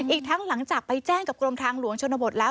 อีกทั้งหลังจากไปแจ้งกับกรมทางหลวงชนบทแล้ว